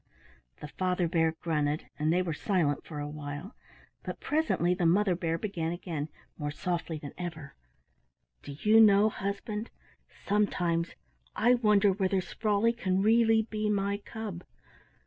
The Father Bear grunted and they were silent for a while, but presently the Mother Bear began again, more softly than ever. "Do you know, husband, sometimes I wonder whether Sprawley can really be my cub. If I could only count them I might find out.